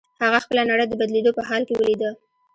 هغه خپله نړۍ د بدلېدو په حال کې وليده.